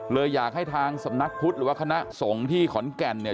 เลยอยากให้ทางสำนักพุทธหรือว่าคณะสงฆ์ที่ขอนแก่นเนี่ย